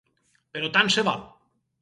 Però tant se val!